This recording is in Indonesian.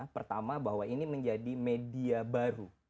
pertama bahwa ini menjadi media baru